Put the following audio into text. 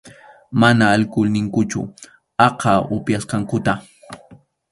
Mana alkul ninkuchu aqha upyasqankuta.